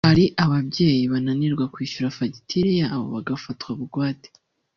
hari ababyeyi bananirwa kwishyura fagitire yabo bagafatwa bugwate